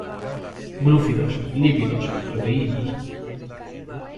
Glúcidos, Lípidos, Proteínas.